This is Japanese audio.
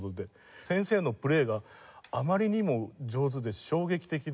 先生のプレーがあまりにも上手で衝撃的で。